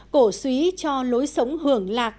cổ suý cho lối sống hưởng lạc